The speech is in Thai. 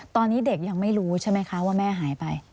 ตอนนี้เด็กยังไม่รู้ใช่ไหมคะว่าแม่หายไป